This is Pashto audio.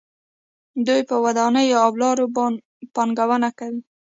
دوی په ودانیو او لارو پانګونه کوي.